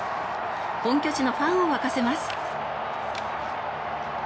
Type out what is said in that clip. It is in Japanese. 本拠地のファンを沸かせます。